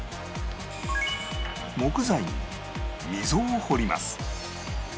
木材に溝を掘ります